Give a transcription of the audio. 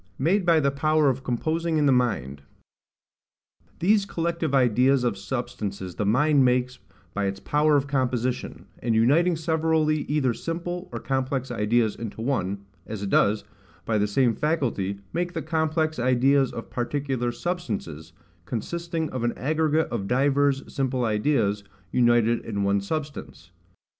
Made by the Power of composing in the Mind. These collective ideas of substances the mind makes, by its power of composition, and uniting severally either simple or complex ideas into one, as it does, by the same faculty, make the complex ideas of particular substances, consisting of an aggregate of divers simple ideas, united in one substance.